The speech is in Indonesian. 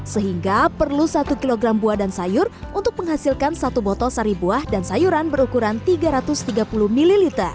sehingga perlu satu kilogram buah dan sayur untuk menghasilkan satu botol sari buah dan sayuran berukuran tiga ratus tiga puluh ml